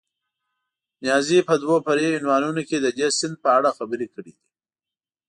نیازي په دوو فرعي عنوانونو کې د دې سیند په اړه خبرې کړې دي.